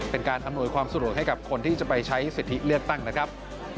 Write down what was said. เป็นการอำนวยความสะดวกให้กับคนที่จะไปใช้สิทธิเลือกตั้งนะครับ